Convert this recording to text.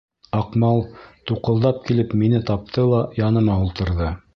Аҡмал туҡылдап килеп мине тапты ла яныма ултырҙы.